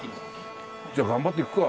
じゃあ頑張って行くか。